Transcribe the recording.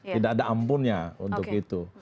tidak ada ampunnya untuk itu